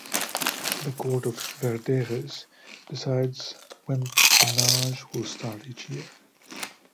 The Court of Verderers decides when pannage will start each year.